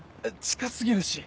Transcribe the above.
近過ぎるし。